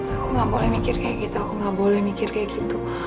aku gak boleh mikir kayak gitu aku gak boleh mikir kayak gitu